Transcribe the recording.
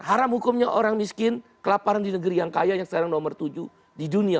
haram hukumnya orang miskin kelaparan di negeri yang kaya yang sekarang nomor tujuh di dunia